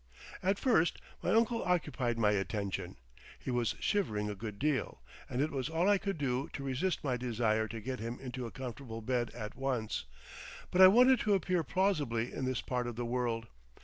At first my uncle occupied my attention. He was shivering a good deal, and it was all I could do to resist my desire to get him into a comfortable bed at once. But I wanted to appear plausibly in this part of the world.